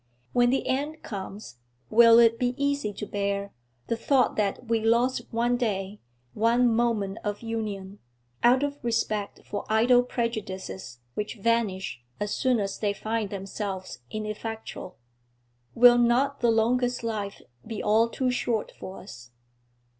When the end comes, will it be easy to bear, the thought that we lost one day, one moment of union, out of respect for idle prejudices which vanish as soon as they find themselves ineffectual? Will not the longest life be all too short for us?'